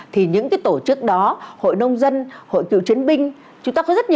thì những cái tổ chức đó hội nông dân hội cựu chiến binh